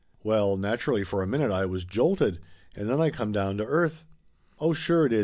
Well, naturally for a minute I was jolted and then I come down to earth. "Oh, sure it is